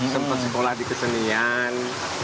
sempat sekolah di kesenian